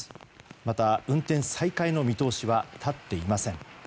また運転再開の見通しは立っていません。